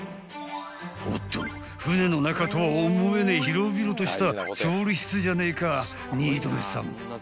［おっと船の中とは思えねえ広々とした調理室じゃねえか新留さん］